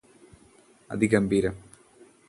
അതിഗംഭീരം